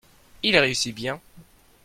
Il réussit bien.